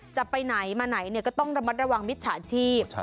จะไปไหนมาไหนก็ต้องระมัดระวังมิจฉาชีพ